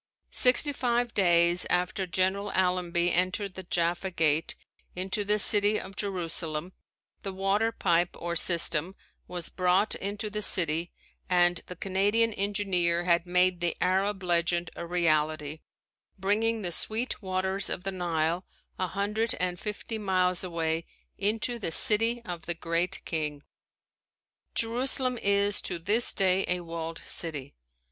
Sixty five days after General Allenby entered the Jaffa Gate into the city of Jerusalem the water pipe or system was brought into the city and the Canadian engineer had made the Arab legend a reality, bringing the sweet waters of the Nile, a hundred and fifty miles away, into the City of the Great King. Jerusalem is to this day a walled city.